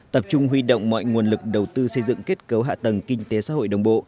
tập trung huy động mọi nguồn lực đầu tư xây dựng kết cấu hạ tầng kinh tế xã hội đồng bộ